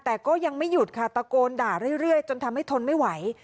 แต่ก็ยังไม่หยุดค่ะตะโกนด่าเรื่อยจนทำให้ทนไม่ไหว